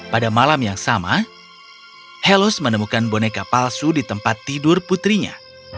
pada malam yang sama helos menemukan boneka palsu di tempat tidur putrinya